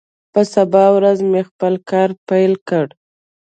په سبا ورځ مې خپل کار پیل کړ.